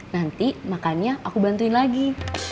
nanti makannya aku bantuin lagi